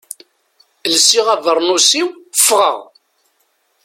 Lsiɣ abernus-iw, ffɣeɣ.